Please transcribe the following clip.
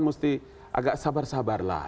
mesti agak sabar sabar lah